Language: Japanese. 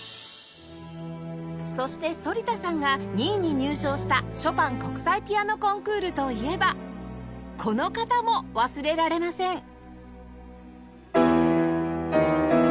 そして反田さんが２位に入賞したショパン国際ピアノコンクールといえばこの方も忘れられません